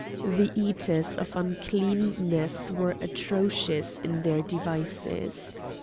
The Eaters of Uncleanness were atrocious in their devices.